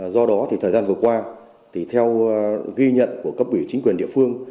do đó thì thời gian vừa qua thì theo ghi nhận của cấp ủy chính quyền địa phương